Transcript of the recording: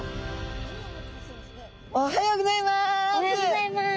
おはようございます。